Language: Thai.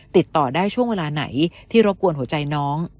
ติดต่อได้ช่วงเวลาไหนที่รบกวนหัวใจน้อง